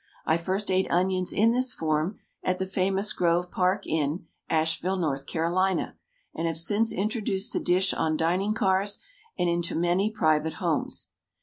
I first ate onions in this form at the famous Grove Park Inn, Asheville, North Carolina, and have since introduced the dish on dining cars and into many private homes.